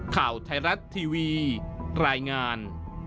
ข่าวไทยรัฐทีวีรายงาน